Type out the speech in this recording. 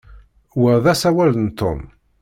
Wa d asawal n Tom.